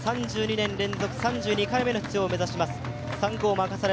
天満屋は３２年連続出場、３２回目の出場を目指します。